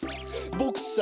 ボクさ